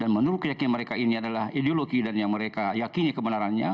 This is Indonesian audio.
dan menurut keyakinan mereka ini adalah ideologi dan yang mereka yakini kebenarannya